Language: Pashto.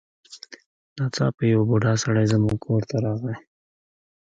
ناڅاپه یو بوډا سړی زموږ کور ته راغی.